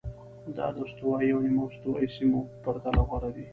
دا د استوایي او نیمه استوایي سیمو په پرتله غوره دي.